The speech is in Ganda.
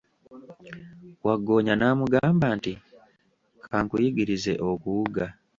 Waggoonya n'amugamba nti, kankuyigirize okuwuga.